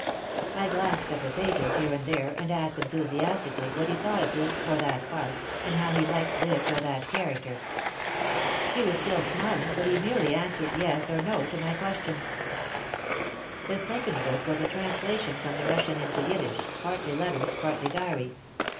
I glanced at the pages here and there and asked enthusiastically what he thought of this or that part, and how he liked this or that character. He was still smiling but he merely answered "yes" or "no" to my questions. The second book was a translation from the Russian into Yiddish, partly letters, partly diary.